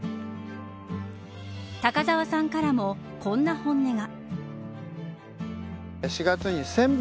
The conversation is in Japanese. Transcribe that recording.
高澤さんからもこんな本音が。